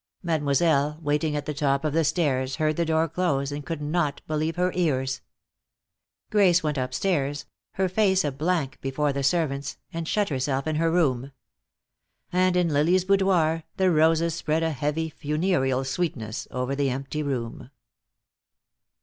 Mademoiselle, waiting at the top of the stairs, heard the door close and could not believe her ears. Grace went upstairs, her face a blank before the servants, and shut herself in her room. And in Lily's boudoir the roses spread a heavy, funereal sweetness over the empty room.